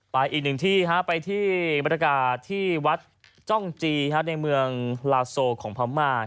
อีกหนึ่งที่ไปที่บรรยากาศที่วัดจ้องจีในเมืองลาโซของพม่า